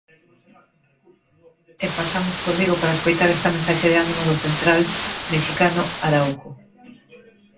E pasamos por Vigo para escoitar esta mensaxe de ánimo do central mexicano Araujo.